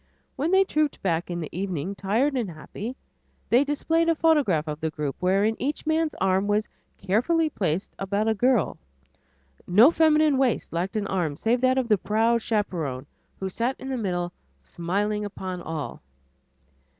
When they trooped back in the evening, tired and happy, they displayed a photograph of the group wherein each man's arm was carefully placed about a girl; no feminine waist lacked an arm save that of the proud chaperon, who sat in the middle smiling upon all.